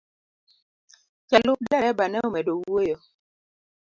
Ja lup dereba ne omedo wuoyo.